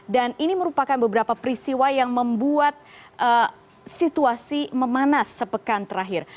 dan ini merupakan beberapa peristiwa yang membuat situasi memanas sepekan terakhir